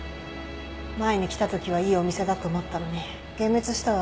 前に来た時はいいお店だと思ったのに幻滅したわ。